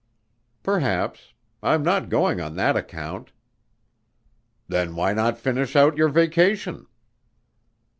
"Perhaps. I'm not going on that account." "Then why not finish out your vacation?"